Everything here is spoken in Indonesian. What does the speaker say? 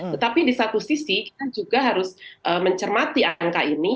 tetapi di satu sisi kita juga harus mencermati angka ini